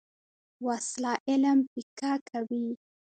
وسله علم پیکه کوي